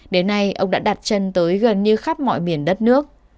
đến nay ông đã đặt chân tới gần như khắp mọi miền đất nước